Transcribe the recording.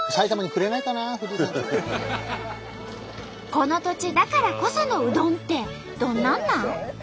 この土地だからこそのうどんってどんなんなん？